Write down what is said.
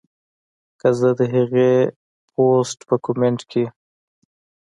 کۀ زۀ د هغې پوسټ پۀ کمنټ کښې